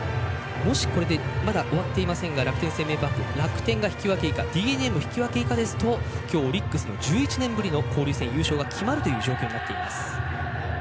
もしこれで楽天生命パーク楽天が引き分け以下ＤｅＮＡも引き分け以下ですときょうオリックスの１１年ぶりの交流戦優勝が決まるということになってきます。